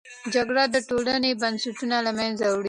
جګړه د ټولنې بنسټونه له منځه وړي.